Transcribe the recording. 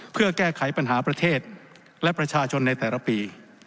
เพื่อแก้ไขปัญหาประเทศและประชาชนในแต่ละปี